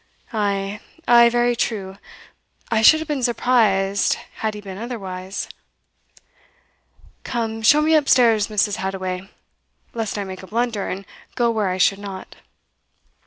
"Ay, ay, very true, I should have been surprised had it been otherwise Come, show me up stairs, Mrs. Hadoway, lest I make a blunder, and go where I should not."